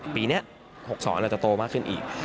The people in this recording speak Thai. ปีเนี่ย๖สอนเราจะโตมากขึ้นอีก